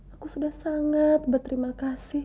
aku sudah sangat berterima kasih